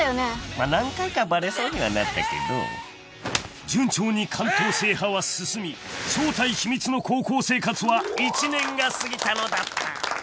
［まあ何回かバレそうにはなったけど順調に関東制覇は進み正体秘密の高校生活は１年が過ぎたのだった］